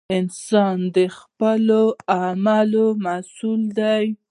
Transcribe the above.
انسان د خپلو اعمالو مسؤول دی!